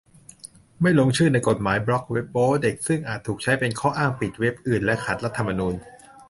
ไม่ลงชื่อในกฎหมายบล็อคเว็บโป๊เด็ก ซึ่งอาจถูกใช้เป็นข้ออ้างปิดเว็บอื่นและขัดรัฐธรรมนูญ